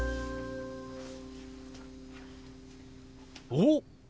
おっ！